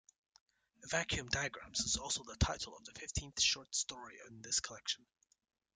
"Vacuum Diagrams" is also the title of the fifteenth short story in this collection.